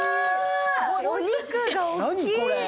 お肉が大きい！